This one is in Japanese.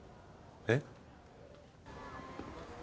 えっ？